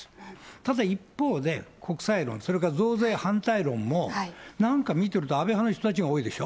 ただ、一方で、国債論、それから増税反対論も、なんか見てると安倍派の人たちが多いでしょ。